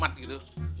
ya paling tidak juga